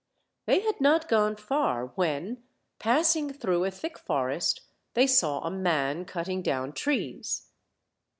They had not gone far when, passing through a thick forest, they saw a mail cutting down trees.